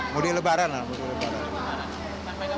mudik lebaran lah